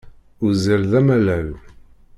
Uzzal d amalal.